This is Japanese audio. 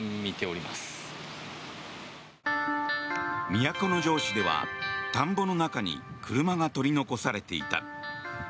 都城市では田んぼの中に車が取り残されていた。